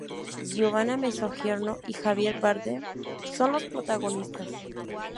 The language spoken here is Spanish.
Giovanna Mezzogiorno y Javier Bardem son los protagonistas.